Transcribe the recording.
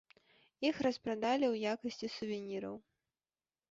Іх распрадалі ў якасці сувеніраў.